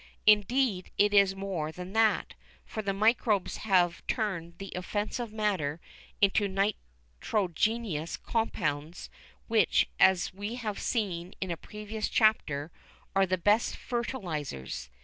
Indeed it is more than that, for the microbes have turned the offensive matter into nitrogenous compounds which, as we have seen in a previous chapter, are the best fertilisers.